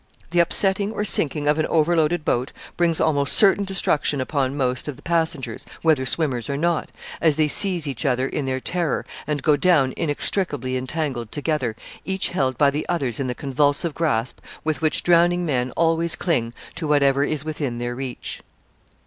The upsetting or sinking of an overloaded boat brings almost certain destruction upon most of the passengers, whether swimmers or not, as they seize each other in their terror, and go down inextricably entangled together, each held by the others in the convulsive grasp with which drowning men always cling to whatever is within their reach.